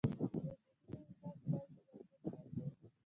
يو د مينې غږ بل د ماشوم غږ و.